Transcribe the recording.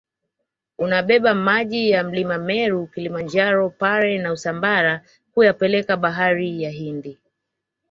unabeba maji ya mlima meru Kilimanjaro pare na usambara kuyapeleka bahari ya hindi